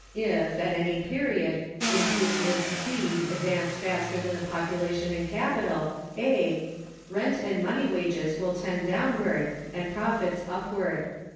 If, at any period, improvements (B) advance faster than population and capital (A), rent and money wages will tend downward and profits upward.